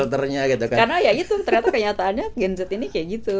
karena ya itu ternyata kenyataannya gen z ini kayak gitu